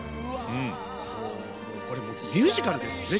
これもうミュージカルですよね